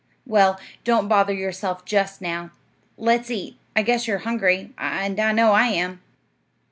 "Well, don't bother yourself just now. Let's eat; I guess you are hungry, and I know I am."